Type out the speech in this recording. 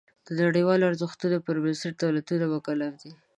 د نړیوالو ارزښتونو پر بنسټ دولتونه مکلف دي.